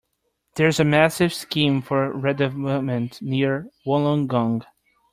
There is a massive scheme for redevelopment near Wollongong.